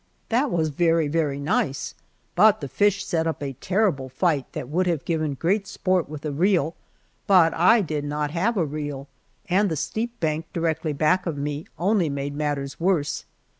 That was very, very nice, but the fish set up a terrible fight that would have given great sport with a reel, but I did not have a reel, and the steep bank directly back of me only made matters worse.